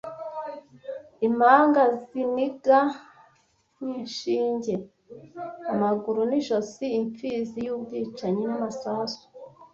Impanga ziniga nk'inshinge amaguru n'ijosi, impfizi y'ubwicanyi n'amasasu,